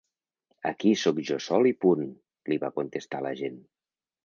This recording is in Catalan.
Aquí hi sóc jo sol i punt, li va contestar l’agent.